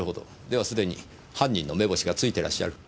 では既に犯人の目星がついてらっしゃる？